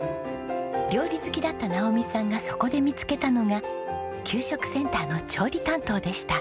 料理好きだった直己さんがそこで見つけたのが給食センターの調理担当でした。